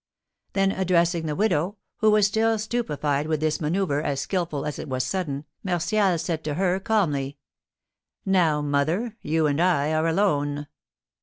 Then addressing the widow, who was still stupefied with this manoeuvre, as skilful as it was sudden, Martial said to her, calmly, "Now, mother, you and I are alone."